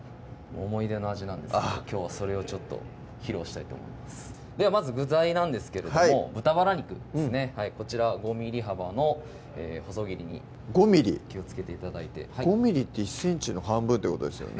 思い出の味なんですけどきょうはそれをちょっと披露したいと思いますではまず具材なんですけれども豚バラ肉ですねこちら５ｍｍ幅の細切りに気をつけて頂いて５ｍｍって１ｃｍの半分ってことですよね？